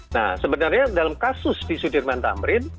nah sebenarnya dalam kasus di sudirman tamrin